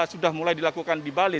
sudah mulai dilakukan di bali